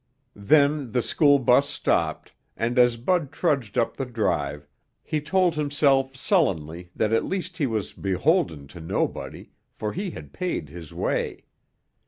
Then the school bus stopped, and as Bud trudged up the drive, he told himself sullenly that at least he was beholden to nobody for he had paid his way.